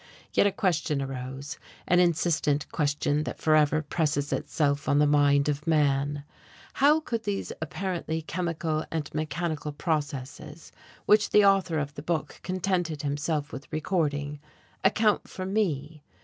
Yet a question arose, an insistent question that forever presses itself on the mind of man; how could these apparently chemical and mechanical processes, which the author of the book contented himself with recording, account for me?